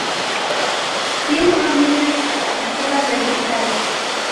Tiene dos líneas de escritura vertical.